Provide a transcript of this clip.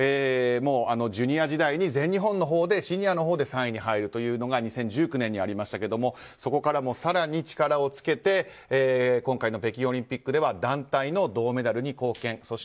もうジュニア時代に全日本、シニアの法で３位に入るというのが２０１９年にありましたけどもそこから更に力をつけて、今回の北京オリンピックでは団体の銅メダルに貢献。